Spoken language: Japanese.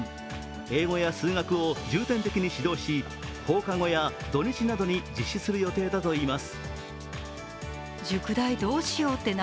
英語や数学を重点的に指導し放課後や土日などに実施する予定だといいます。